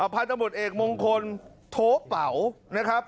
พันธบทเอกมงคลโทเป๋านะครับ